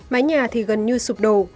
máy nhà thì gần như sụp đổ